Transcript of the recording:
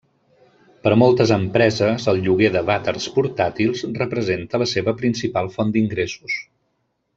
Per a moltes empreses el lloguer de vàters portàtils representa la seva principal font d'ingressos.